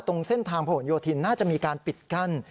ตรงเส้นทางผนโยธินน่าจะมีการปิดกั้น